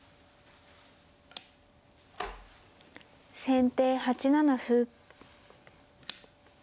先手８七歩。